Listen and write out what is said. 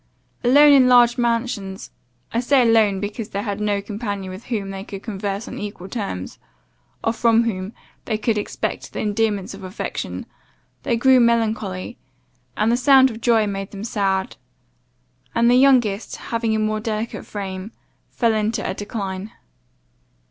Alone in large mansions, I say alone, because they had no companions with whom they could converse on equal terms, or from whom they could expect the endearments of affection, they grew melancholy, and the sound of joy made them sad; and the youngest, having a more delicate frame, fell into a decline.